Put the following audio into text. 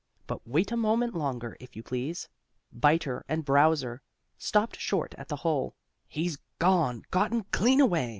But wait a moment longer, if you please. Biter and Browser stopped short at the hole. "He's gone gotten clean away!"